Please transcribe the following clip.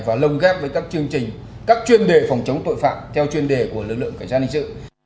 và lồng ghép với các chương trình các chuyên đề phòng chống tội phạm theo chuyên đề của lực lượng cảnh sát hình sự